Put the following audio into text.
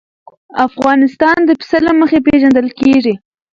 افغانستان د پسه له مخې پېژندل کېږي.